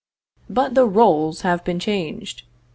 But the roles have been changed.